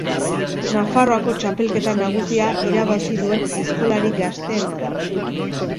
Nafarroako txapelketa nagusia irabazi duen aizkolari gazteena da.